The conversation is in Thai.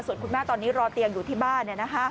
ส่วนคุณแม่ตอนนี้รอเตียงอยู่ที่บ้านเนี่ยนะฮะ